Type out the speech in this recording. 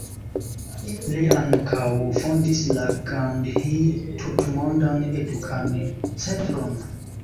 Li ankaŭ fondis la Gandhi Tutmondan Edukan Centron.